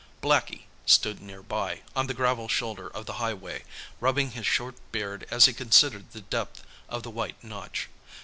Blackie stood nearby, on the gravel shoulder of the highway, rubbing his short beard as he considered the depth of the white notch.